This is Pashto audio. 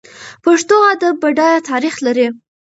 پښتو ادب بډایه تاریخ لري.